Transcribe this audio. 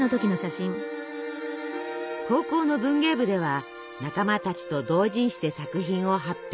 高校の文芸部では仲間たちと同人誌で作品を発表。